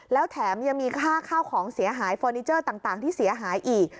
แล้วแถมยังมีค่าข้าวของเสียหายเฟอร์นิเจอร์ต่างที่เสียหายอีก